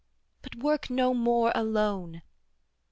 but work no more alone!